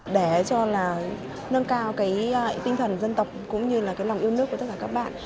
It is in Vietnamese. để cho là nâng cao cái tinh thần dân tộc cũng như là cái lòng yêu nước của tất cả các bạn